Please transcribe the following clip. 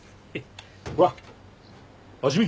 ほら味見。